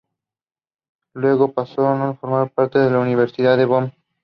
Luego pasó a formar parte de la Universidad de Bonn.